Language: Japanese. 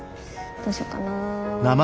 どうしようかな。